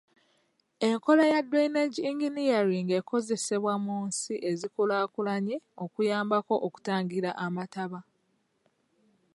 Enkola ya drainage engineering ekozesebwa mu nsi ezikulaakulanye okuyambako okutangira amataba.